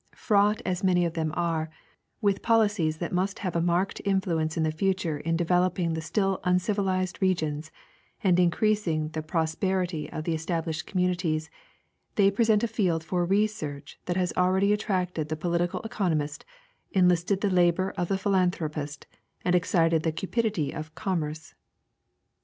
Fraught, as many of them are, with policies that must have a marked in fluence in the future in developing the still uncivilized regions and increasing the prosperity of the established communities, they present a field for research that has already attracted the political economist, enlisted the labor of the philanthropist, and excited the cupidity of commerce.